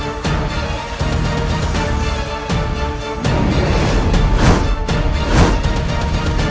atau akan kubunuh raka walaxusang saat ini juga